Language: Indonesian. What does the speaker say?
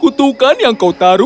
kami akan menemukan telurmu